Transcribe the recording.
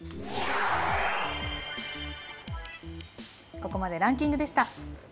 ここまでランキングでした。